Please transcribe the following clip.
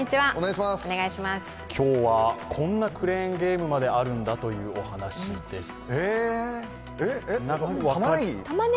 今日はこんなクレーンゲームまであるんだという話です。